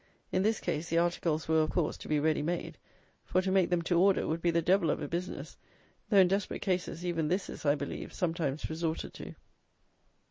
In this case the articles were, of course, to be ready made; for to make them "to order" would be the devil of a business; though in desperate cases even this is, I believe, sometimes resorted to.